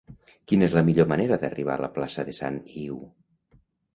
Quina és la millor manera d'arribar a la plaça de Sant Iu?